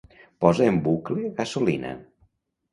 Posa en bucle "Gasolina".